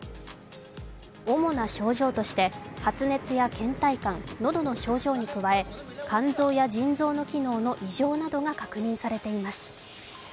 主な症状として、発熱やけん怠感喉の症状に加え肝臓や腎臓の機能などの異常が確認されています。